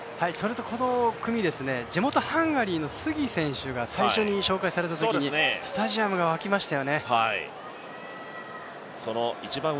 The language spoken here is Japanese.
この組、地元ハンガリーのスギ選手が最初に紹介されたときにスタジアムが沸きましたよね。